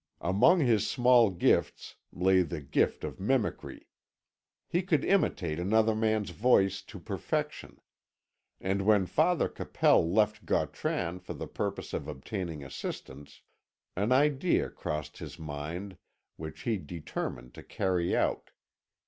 Among his small gifts lay the gift of mimicry; he could imitate another man's voice to perfection; and when Father Capel left Gautran for the purpose of obtaining assistance, an idea crossed his mind which he determined to carry out.